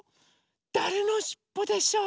だれのしっぽでしょう？